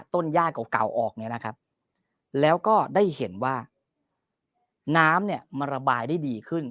ย่าเก่าออกเนี่ยนะครับแล้วก็ได้เห็นว่าน้ำเนี่ยมันระบายได้ดีขึ้น